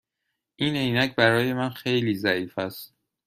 این عینک برای من خیلی ضعیف است.